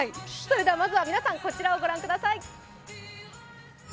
まずは皆さん、こちらをご覧ください。